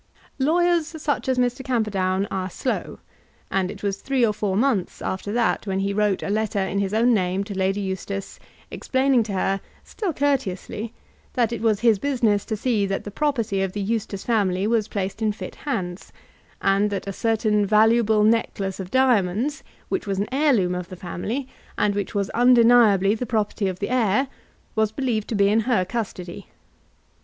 Lawyers such as Mr. Camperdown are slow, and it was three or four months after that when he wrote a letter in his own name to Lady Eustace, explaining to her, still courteously, that it was his business to see that the property of the Eustace family was placed in fit hands, and that a certain valuable necklace of diamonds, which was an heirloom of the family, and which was undeniably the property of the heir, was believed to be in her custody.